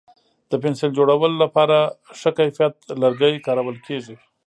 د پنسل جوړولو لپاره ښه کیفیت لرګی کارول کېږي.